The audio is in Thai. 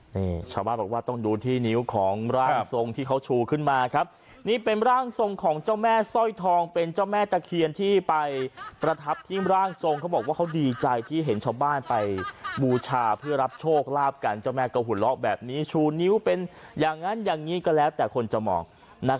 นี่ชาวบ้านบอกว่าต้องดูที่นิ้วของร่างทรงที่เขาชูขึ้นมาครับนี่เป็นร่างทรงของเจ้าแม่สร้อยทองเป็นเจ้าแม่ตะเคียนที่ไปประทับที่ร่างทรงเขาบอกว่าเขาดีใจที่เห็นชาวบ้านไปบูชาเพื่อรับโชคลาภกันเจ้าแม่ก็หุ่นเลาะแบบนี้ชูนิ้วเป็นอย่างนั้นอย่างนี้ก็แล้วแต่คนจะมอง